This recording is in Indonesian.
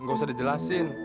nggak usah dijelasin